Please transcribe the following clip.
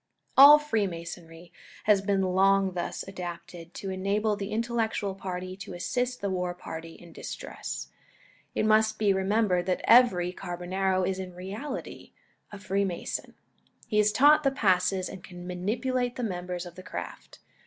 All Freemasonry has been long thus adapted, to enable the intellectual party to assist the war party in distress. It must be remembered that every Carbonaro is in reality a Freemason. He is taught the passes and can manipulate the members of the craft.